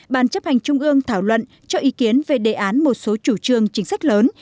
ban chấp hành trung ương thảo luận cho ý kiến về đề án một số chủ trương chính sách lớn